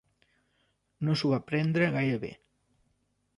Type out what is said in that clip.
No s'ho van prendre gaire bé.